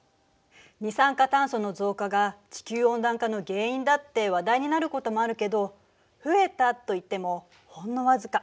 二酸化炭素の増加が地球温暖化の原因だって話題になることもあるけど増えたといってもほんの僅か。